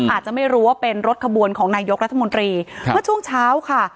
อาจจะไม่รู้ว่าเป็นรถขบวนของนายกรัฐมนตรีเมื่อช่วงเช้าค่ะ